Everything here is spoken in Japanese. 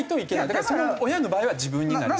だから親の場合は自分になるし。